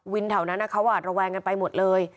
วินเท่านั้นอะเขาอาจระแวงกันไปหมดเลย